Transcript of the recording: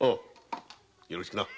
よろしくな。